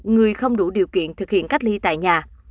người không đủ điều kiện thực hiện cách ly tại nhà